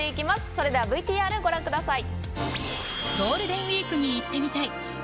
それではＶＴＲご覧ください。